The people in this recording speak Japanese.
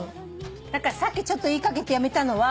さっきちょっと言いかけてやめたのは。